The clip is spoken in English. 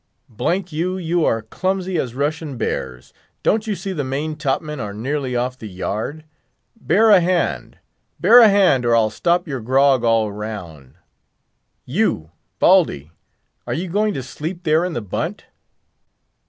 "D——n you, you are clumsy as Russian bears! don't you see the main—top men are nearly off the yard? Bear a hand, bear a hand, or I'll stop your grog all round! You, Baldy! are you going to sleep there in the bunt?"